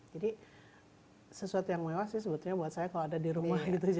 jadi sesuatu yang mewah sih sebetulnya buat saya kalau ada di rumah gitu